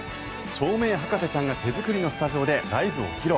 照明博士ちゃんが、手作りのスタジオでライブを披露。